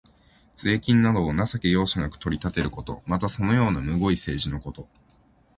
税金などを情け容赦なく取り立てること。また、そのようなむごい政治のこと。